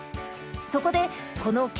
そこでこの毛